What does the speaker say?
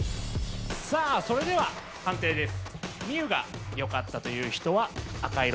さあそれでは判定です。